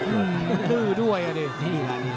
อืออืออือ